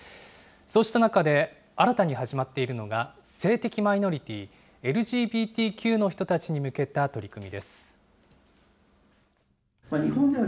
そうした中で、新たに始まっているのが性的マイノリティー、ＬＧＢＴＱの人たちに向けた取り組みです。